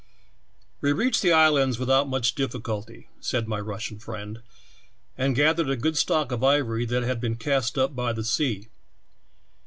"We reached the islands without much difficulty, '' said my Russian friend, "and gathered a good stock of ivory that had been cast up by the sea.